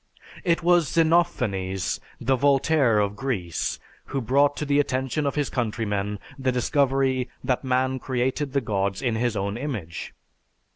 It was Xenophanes, the Voltaire of Greece, who brought to the attention of his countrymen the discovery that man created the gods in his own image.